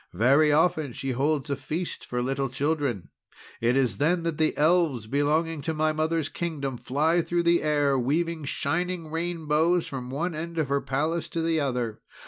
Very often she holds a feast for little children. It is then that the Elves, belonging to my mother's Kingdom, fly through the air weaving shining rainbows from one end of her palace to the other.